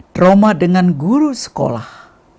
trauma dengan guru sekolah